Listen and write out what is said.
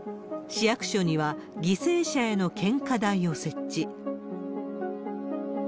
市役所には犠牲者への献花台を設置。